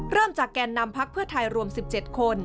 เริ่มจากแกนนำพักเพื่อไทยรวม๑๗คน